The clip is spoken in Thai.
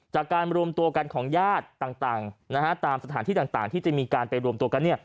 จากการรวมตัวกันของญาติต่างตามสถานที่ต่างที่จะมีการไปรวมตัวกัน